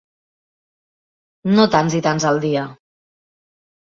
No tants i tants al dia.